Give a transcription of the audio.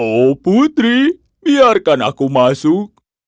oh putri biarkan aku masuk